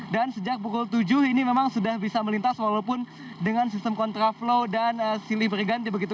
dan sejak pukul tujuh ini memang sudah bisa melintas walaupun dengan sistem kontraflow dan silih berganti begitu